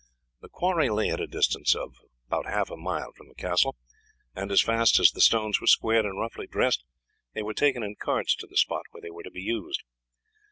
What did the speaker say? The quarry lay at a distance of half a mile from the castle, and as fast as the stones were squared and roughly dressed they were taken in carts to the spot where they were to be used.